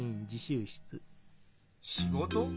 仕事？